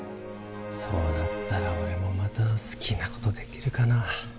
そうなったら俺もまた好きなことできるかな